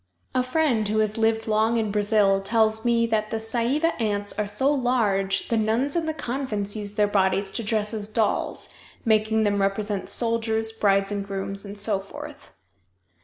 A friend who has lived long in Brazil tells me that the Saiiva ants are so large the nuns in the convents use their bodies to dress as dolls, making them represent soldiers, brides and grooms, and so forth.